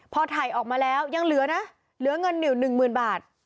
พอถ่ายออกมาแล้วยังเหลือนะเหลือเงินอยู่หนึ่งหมื่นบาท